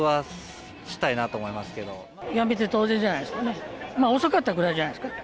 辞めて当然じゃないですかね、遅かったぐらいじゃないですか。